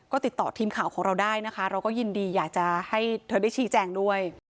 ก็ติดต่อทีมข่าวของเราได้นะคะเราก็ยินดีอยากจะให้เธอได้ชี้แจงด้วย